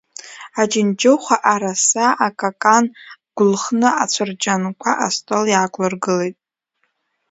Аџьынџьыхәа, араса, акакан гәлхны, афырџьанқәа астол иаақәлыргылеит.